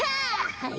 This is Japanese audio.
はい。